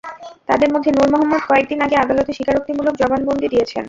তাঁদের মধ্যে নূর মোহাম্মদ কয়েক দিন আগে আদালতে স্বীকারোক্তিমূলক জবানবন্দি দিয়েছেন।